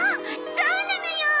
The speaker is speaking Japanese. そうなのよ。